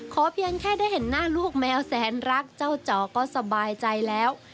เพียงแค่ได้เห็นหน้าลูกแมวแสนรักเจ้าจอก็สบายใจแล้ว